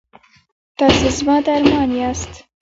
تاسې زما درمان یاست؟